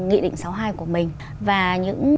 nghị định sáu mươi hai của mình và những